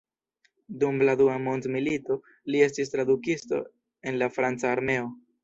Dum la dua mondmilito li estis tradukisto en la franca armeo.